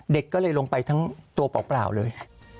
เด็กก็เลยลงไปทั้งตัวเปล่าเลย